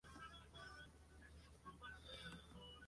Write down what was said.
Basada en la novela" Rape: A Love Story" de Joyce Carol Oates.